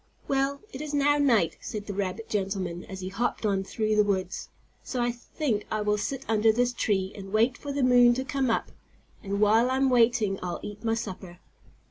"Well, it is now night," said the rabbit gentleman as he hopped on through the woods, "so I think I will sit under this tree and wait for the moon to come up. And while I'm waiting I'll eat my supper."